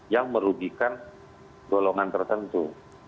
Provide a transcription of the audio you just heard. yang merugikan golongan tertentu